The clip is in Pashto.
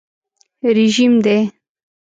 رژیم دی.